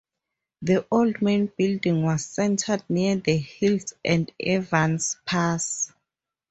The old main building was centred near the hills and Evans Pass.